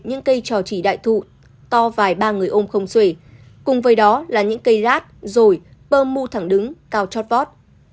những cây trò chỉ đại thụ to vài ba người ôm không xuể cùng với đó là những cây rát dồi bơm mu thẳng đứng cao trót vót